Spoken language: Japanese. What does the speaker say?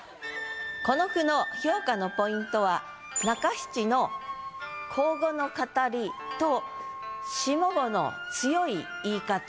この句の評価のポイントは中七の口語の語りと下五の強い言い方